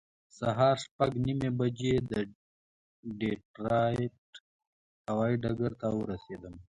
سهار شپږ نیمې بجې د ډیټرایټ هوایي ډګر ته ورسېدم.